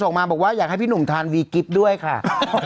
ออกมาบอกว่าอยากให้พี่หนุ่มทานวีกิฟต์ด้วยค่ะ